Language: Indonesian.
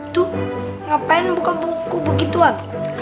tuh ngapain buka buku begituan